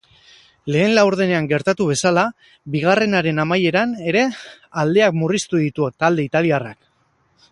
Lehen laurdenean gertatu bezala, bigarrenaren amaieran ere aldeak murriztu ditu talde italiarrak.